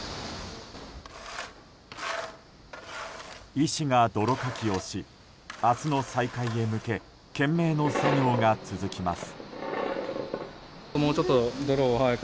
医師が泥かきをし明日の再開へ向け懸命の作業が続きます。